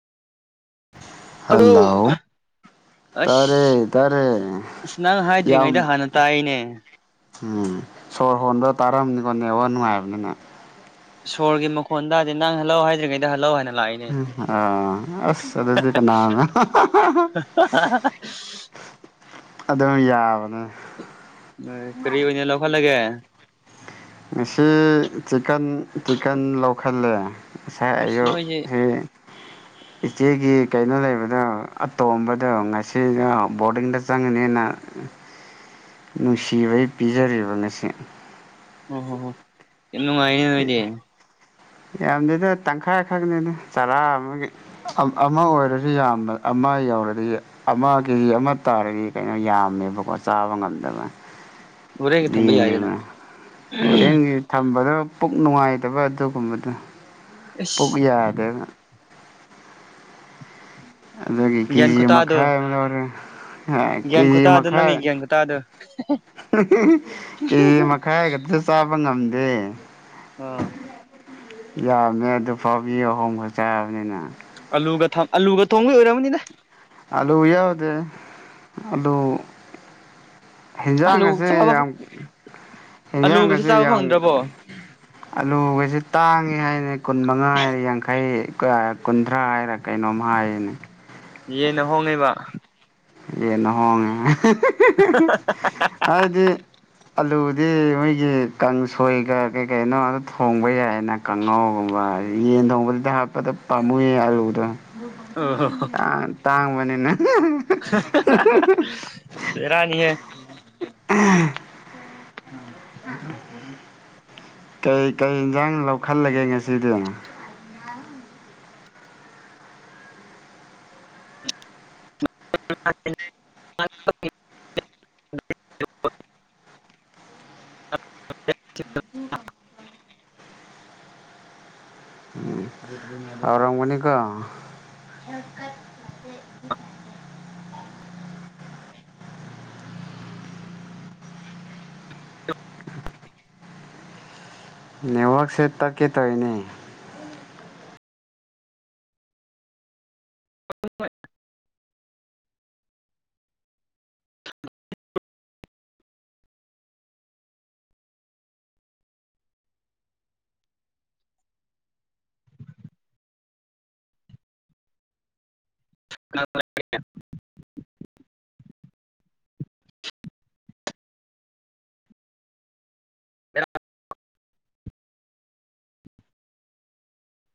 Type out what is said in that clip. ꯑꯗꯣ ꯍꯜꯂꯣ ꯇꯥꯔꯦ ꯑꯁ ꯇꯥꯔꯦ ꯑꯁ ꯅꯪ ꯌꯥꯝ ꯍꯥꯏꯗ꯭ꯔꯤꯉꯩꯗ ꯍꯥꯟꯅ ꯇꯥꯛꯏꯅꯦ ꯎꯝ ꯁꯣꯔ ꯍꯣꯟꯕ ꯇꯥꯔꯝꯅꯤꯀꯣ ꯅꯦꯠꯋꯥꯛ ꯅꯨꯡꯉꯥꯏꯕꯅꯤꯅ ꯁꯣꯔꯒꯤ ꯃꯈꯣꯟ ꯇꯥꯗꯦ ꯅꯪ ꯍꯜꯂꯣ ꯍꯥꯏꯗ꯭ꯔꯤꯉꯩꯗ ꯍꯜꯂꯣ ꯍꯥꯏꯅ ꯂꯥꯛꯑꯦ [unintelligible] ꯑ ꯑꯁ ꯑꯗꯨꯗꯤ ꯀꯅꯥꯅ [unintelligible] ꯑꯗꯨꯝ ꯌꯥꯕꯅꯦ ꯅꯣꯏ ꯀꯔꯤ ꯑꯣꯏꯅ ꯂꯧꯍꯟꯂꯒꯦ ꯉꯁꯤ ꯆꯤꯀꯟ ꯆꯤꯀꯟ ꯂꯧꯈꯠꯂꯦ ꯉꯁꯥꯏ ꯑꯁ ꯑꯌꯨꯛ ꯅꯣꯏꯁꯦ [inaudible] ꯏꯆꯦꯒꯤ ꯀꯩꯅꯣ ꯂꯩꯕꯗꯣ ꯑꯇꯣꯝꯕꯗꯣ ꯉꯁꯤꯔ ꯕꯣꯔꯗꯤꯡꯗ ꯆꯪꯉꯅꯤꯅ [inaudible] ꯅꯨꯡꯁꯤꯕꯩ ꯄꯤꯖꯔꯤꯕ ꯉꯥꯁꯤ ꯑꯣ ꯍꯣ ꯍꯣ ꯌꯥꯝ ꯅꯨꯡꯉꯥꯏꯅ ꯅꯣꯏꯗꯤ ꯌꯥꯝꯗꯦꯗ ꯇꯪꯈꯥꯏ ꯈꯛꯅꯤꯗ ꯆꯔꯥ ꯑꯃꯒꯤ ꯑꯝ ꯑꯃ ꯑꯣꯏꯔꯁꯨ ꯌꯥꯝꯕ ꯑꯃ ꯌꯧꯔꯗꯤ ꯑꯃ ꯀꯦꯖꯤ ꯑꯃ ꯇꯥꯔꯗꯤ ꯀꯩꯅꯣ ꯌꯥꯝꯃꯦꯕꯀꯣ ꯆꯥꯕ ꯉꯝꯗꯕ ꯍꯣꯔꯦꯟꯒ ꯊꯝꯕ ꯌꯥꯏꯗꯅ ꯂꯦꯝꯃꯦꯕ ꯍꯧꯔꯦꯟꯒꯤ ꯊꯝꯕꯗꯣ ꯄꯨꯛ ꯅꯨꯡꯉꯥꯏꯇꯕ ꯑꯗꯨꯒꯨꯝꯕꯗꯣ ꯑꯁ ꯄꯨꯛ ꯌꯥꯗꯦꯅ ꯑꯗꯨꯒꯤ ꯒ꯭ꯌꯥꯟ ꯀꯦꯖꯤ ꯈꯨꯇꯥꯗꯣ ꯃꯈꯥꯏ ꯑꯃ ꯂꯧꯔꯦ ꯍꯣꯏ ꯒ꯭ꯌꯥꯟ ꯀꯦꯖꯤ ꯈꯨꯇꯥꯗꯣ ꯃꯈꯥꯏ ꯅꯪꯒꯤ ꯒ꯭ꯌꯥꯟ ꯈꯨꯇꯥꯗꯣ ꯀꯦꯖꯤ ꯃꯈꯥꯏ ꯈꯛꯇ ꯆꯥꯕ ꯉꯝꯗꯦ ꯑ ꯌꯥꯝꯃꯦ ꯑꯗꯨ ꯐꯥꯎ ꯃꯤ ꯑꯍꯨꯝꯉꯛ ꯆꯥꯕꯅꯤꯅ ꯑꯂꯨꯒ ꯑꯂꯨꯒ ꯊꯣꯡꯕ ꯑꯣꯏꯔꯝꯒꯅꯤꯗ ꯑꯂꯨ ꯌꯥꯎꯗꯦ ꯑꯂꯨ ꯍꯦꯟꯖꯥꯡ ꯑꯂꯨ ꯒꯁꯦ ꯆꯥꯕ ꯌꯥꯝ ꯍꯟꯖꯥꯡ ꯑꯂꯨꯒꯁꯨ ꯒꯁꯦ ꯆꯥꯕ ꯌꯥꯝ ꯐꯪꯗ꯭ꯔꯕꯣ ꯑꯂꯨꯒꯁꯦ ꯇꯥꯡꯉꯦ ꯍꯥꯏꯅꯦ ꯀꯨꯟ ꯃꯉꯥ ꯍꯥꯏ ꯌꯥꯡꯈꯩꯒ ꯀꯨꯟꯊ꯭ꯔꯥ ꯍꯥꯏꯔꯒ ꯀꯩꯅꯣꯝ ꯍꯥꯏꯌꯦꯅꯦ ꯌꯦꯟꯅ ꯍꯣꯡꯉ‌ꯦꯕ ꯌꯦꯟꯅ ꯍꯣꯡꯉꯦ ꯍꯥꯏꯗꯤ ꯑꯂꯨꯗꯤ ꯃꯣꯏꯒꯤ ꯀꯥꯡꯁꯣꯏꯒ ꯀꯩ ꯀꯩꯅꯣꯗ ꯊꯣꯡꯕ ꯌꯥꯏꯅ ꯀꯥꯡꯉꯥꯎꯒꯨꯝꯕ ꯌꯦꯟ ꯊꯣꯡꯕꯗꯗꯤ ꯍꯥꯞꯄꯗꯣ ꯄꯥꯝꯃꯨꯏ ꯑꯥꯂꯨꯗꯣ ꯑꯣ [unintelligible] ꯌꯥꯞ ꯇꯥꯡꯕꯅꯤꯅ ꯕ‌ꯦꯔꯥꯅꯤ ꯍ‌ꯦ ꯑꯥ ꯀꯩ ꯀꯩ ꯏꯟꯖꯥꯡ ꯂꯧꯈꯠꯂꯒꯦ ꯉꯁꯤꯗꯤ [unintelligible] [unintelligible] [unintelligible] ꯎꯝ ꯍꯥꯎꯔꯝꯒꯅꯤꯀꫭ [unintelligible] [inaudible] ꯅꯦꯠꯋꯥꯔꯛꯁꯦ ꯇꯠꯀꯦ ꯇꯧꯋꯤꯅꯦ [unintelligible] [unintelligible] [unintelligible]